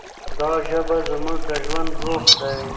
دا ژبه زموږ د ژوند روح دی.